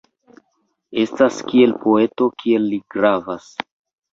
Estas kiel poeto kiel li gravas.